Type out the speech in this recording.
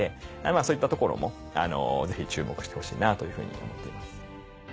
そういったところもぜひ注目してほしいなというふうに思っています。